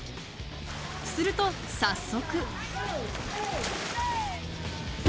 すると早速。